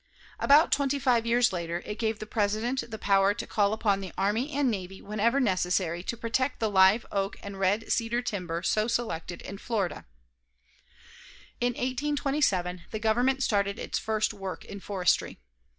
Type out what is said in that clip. About twenty five years later, it gave the President the power to call upon the Army and Navy whenever necessary to protect the live oak and red cedar timber so selected in Florida. In 1827, the Government started its first work in forestry.